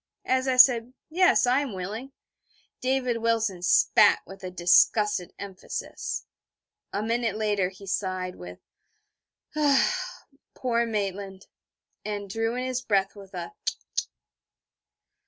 As I said 'Yes, I am willing,' David Wilson spat with a disgusted emphasis. A minute later he sighed, with 'Ah, poor Maitland...' and drew in his breath with a _tut!